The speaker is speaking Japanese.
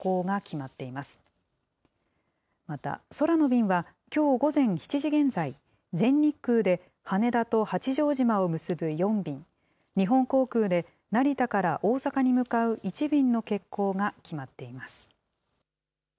また、空の便はきょう午前７時現在、全日空で羽田と八丈島を結ぶ４便、日本航空で成田から大阪に向かう１便の欠航が決まっています。